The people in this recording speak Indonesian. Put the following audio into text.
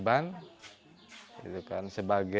dan juga laf tanpa lavamaka